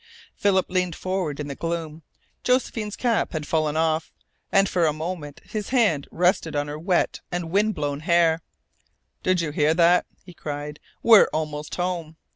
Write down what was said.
Philip leaned forward in the gloom. Josephine's cap had fallen off, and for a moment his hand rested on her wet and wind blown hair. "Did you hear that?" he cried. "We're almost home."